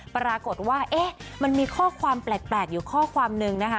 ปรากฏว่ามันมีข้อความแปลกอยู่ข้อความนึงนะคะ